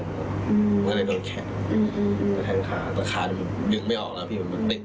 แต่คาดี่ยึกไม่ออกแล้วพี่ปิดไปแล้ว